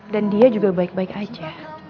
dan dia juga baik baik aja